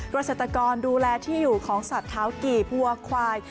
เกษตรกรดูแลที่อยู่ของสัตว์เท้ากี่วัวควาย